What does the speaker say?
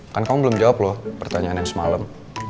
kan kamu belum jawab loh pertanyaan yang semalam